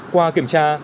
qua kiểm tra